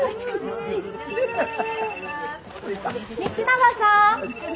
道永さん！